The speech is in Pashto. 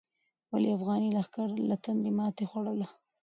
ولې افغاني لښکر له تندې ماتې خوړله؟